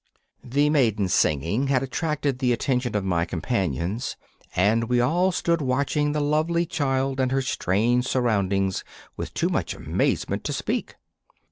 The maiden's singing had attracted the attention of my companions, and we all stood watching the lovely child and her strange surroundings with too much amazement to speak.